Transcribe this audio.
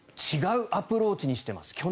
違うアプローチにしています。